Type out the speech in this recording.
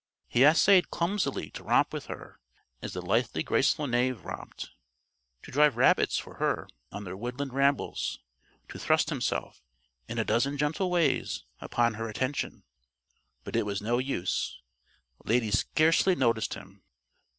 He essayed clumsily to romp with her as the lithely graceful Knave romped, to drive rabbits for her on their woodland rambles, to thrust himself, in a dozen gentle ways, upon her attention. But it was no use. Lady scarcely noticed him.